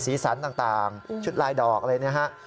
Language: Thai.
สีสันต่างชุดลายดอกเลยนะครับ